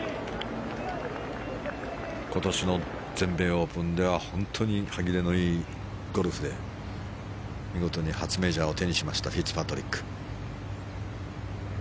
今年の全米オープンでは本当に歯切れのいいゴルフで見事に初メジャーを手にしたフィッツパトリック。